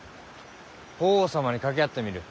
法皇様に掛け合ってみる。